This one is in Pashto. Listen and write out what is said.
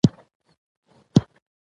ځان ته د تېښتې سوړه لټوي.